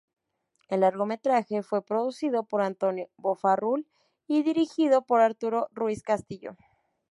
El largometraje fue producido por Antonio Bofarull y dirigido por Arturo Ruiz Castillo.